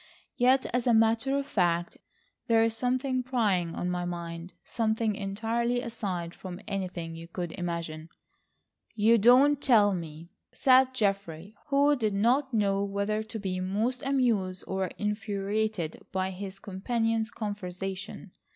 Yet as a matter of fact, there is something preying on my mind. Something entirely aside from anything you could imagine." "You don't tell me!" said Geoffrey, who did not know whether to be most amused or infuriated by his companion's conversation.